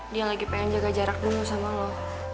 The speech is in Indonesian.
dia lagi pengen jaga jarak dulu sama lo